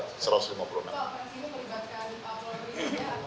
pak apakah ini bergantian anggota polri atau ada yang bergantian anggota polri